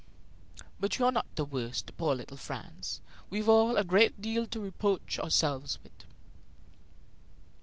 But you are not the worst, poor little Franz. We've all a great deal to reproach ourselves with.